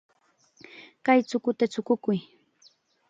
Kay chukuta chukukuy.